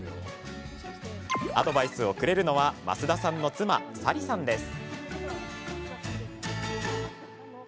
アドバイスをくれるのは増田さんの妻、沙里さんです。